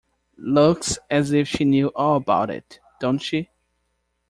Looks as if she knew all about it, don't she?